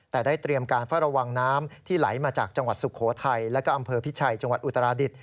แต่ได้เตรียมการเฝ้าระวังน้ำที่ไหลมาจากจังหวัดสุโขทัยแล้วก็อำเภอพิชัยจังหวัดอุตราดิษฐ